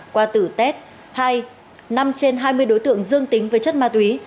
qua tử tết hai năm trên hai mươi đối tượng dương tính với chất ma túy